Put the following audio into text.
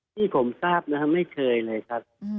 ที่ผมทราบนะครับไม่เคยเลยครับ